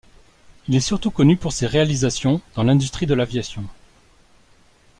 Il est surtout connu pour ses réalisations dans l'industrie de l'aviation.